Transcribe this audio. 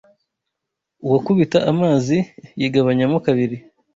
awukubita amazi, yigabanyamo kabiri